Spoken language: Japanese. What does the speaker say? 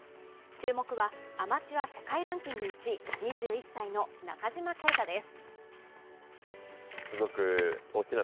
注目はアマチュア世界ランキング１位２１歳の中島啓太です。